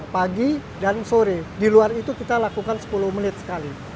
pagi dan sore di luar itu kita lakukan sepuluh menit sekali